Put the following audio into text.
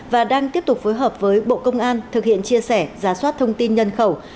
và đang tiếp tục phối hợp với bộ công an thực hiện chia sẻ giả soát thông tin nhân khẩu